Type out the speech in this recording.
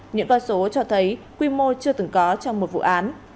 những con số cho thấy quy mô chưa từng có trong một vụ án